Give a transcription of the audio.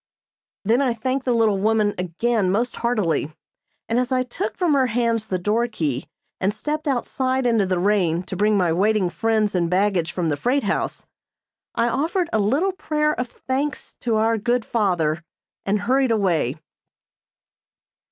Then I thanked the little woman again most heartily, and, as I took from her hands the door key and stepped outside into the rain to bring my waiting friends and baggage from the freight house, I offered a little prayer of thanks to our good Father, and hurried away.